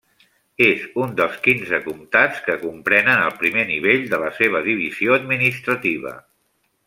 És un dels quinze comtats que comprenen el primer nivell de la seva divisió administrativa.